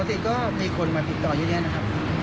ปกติก็มีคนมาติดต่อเยอะแยะนะครับ